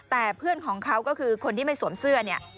แต่เพื่อนของเขาก็คือคนที่ไม่สวมเสื้อเนี่ย